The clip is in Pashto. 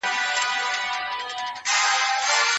که د مالیې ورکولو پروسه اسانه سي، نو د خلګو وخت نه ضایع کیږي.